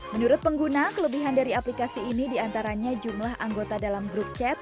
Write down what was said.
menurut pengguna kelebihan dari aplikasi ini diantaranya jumlah anggota dalam grup chat